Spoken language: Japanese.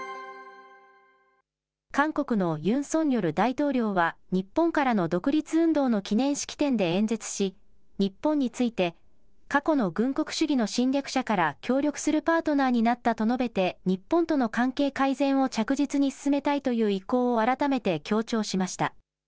韓国のユン・ソンニョル大統領は、日本からの独立運動の記念式典で演説し、日本について、過去の軍国主義の侵略者から協力するパートナーになったと述べて、日本との関係改善を着実に進めたいという意向を改めて強調しました。